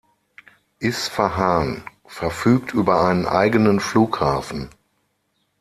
Isfahan verfügt über einen eigenen Flughafen.